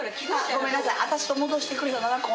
ごめんなさい。